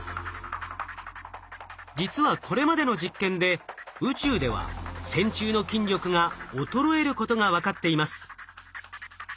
実はこれまでの実験で宇宙では線虫の筋力が衰えることが分かっています。